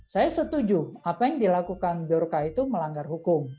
saya setuju apa yang dilakukan biorka itu melanggar hukum